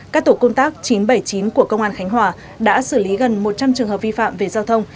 các tổ công tác chín trăm bảy mươi chín của công an khánh hòa đã xử lý gần một trăm linh trường hợp vi phạm về giao thông